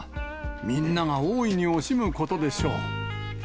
みんなが大いに惜しむことでしょう。